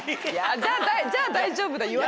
じゃあ大丈夫だ！